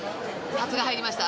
札が入りました。